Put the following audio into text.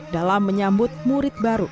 dalam menyambut murid baru